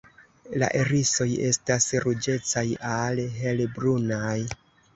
La irisoj estas ruĝecaj al helbrunaj.